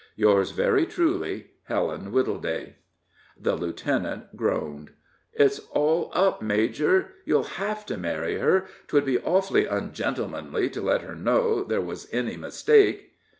"Yours, very truly, HELEN WITTLEDAY." The lieutenant groaned. "It's all up, major! you'll have to marry her. 'Twould be awfully ungentlemanly to let her know there was any mistake."